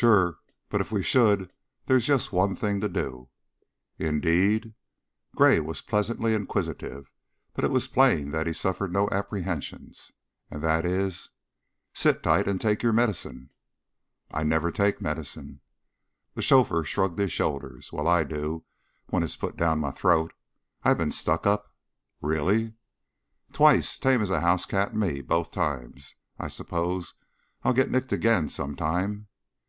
"Sure! But if we should, there's just one thing to do." "Indeed?" Gray was pleasantly inquisitive, but it was plain that he suffered no apprehensions. "And that is ?" "Sit tight and take your medicine." "I never take medicine." The chauffeur shrugged his shoulders. "Well, I do, when it's put down my throat. I been stuck up." "Really!" "Twice. Tame as a house cat, me both times. I s'pose I'll get nicked again sometime."